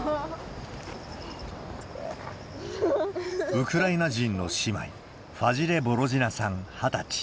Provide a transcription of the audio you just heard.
ウクライナ人の姉妹、ファジレ・ボロジナさん２０歳。